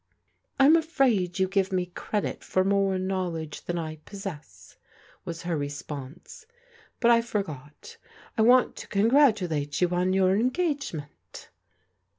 " I'm afraid you give me credit for more knowledge than I possess," was her resiponse. " But I forgot ; I want to congratulate you on your engagement."